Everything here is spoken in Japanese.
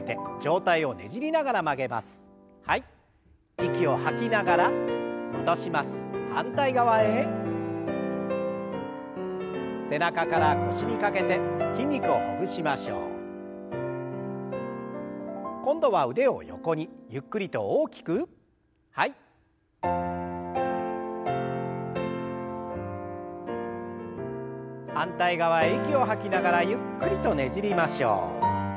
反対側へ息を吐きながらゆっくりとねじりましょう。